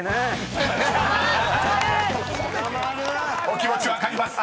［お気持ち分かります］